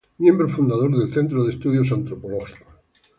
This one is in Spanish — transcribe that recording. Miembro Fundador del Centro de Estudios Antropológicos.